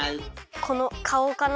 このかおかな。